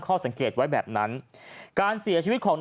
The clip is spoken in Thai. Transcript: โป่งแร่ตำบลพฤศจิตภัณฑ์